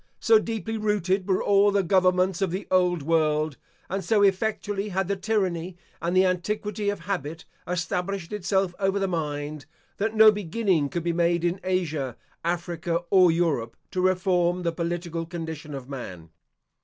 So deeply rooted were all the governments of the old world, and so effectually had the tyranny and the antiquity of habit established itself over the mind, that no beginning could be made in Asia, Africa, or Europe, to reform the political condition of man.